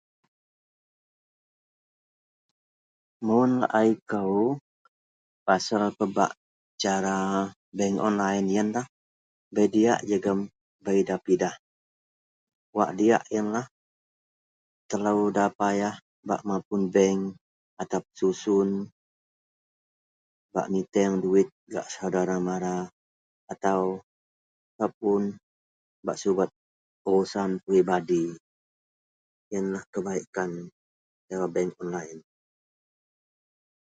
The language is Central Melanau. Mun a kou cara bank online yianlah bei diak jegam da pidah yianlah telo da payah ba mapun bank atau bersusun bak miteng duit gak saudara mara ataupun ba subat urusan peribadi yianlah kebaikan bank online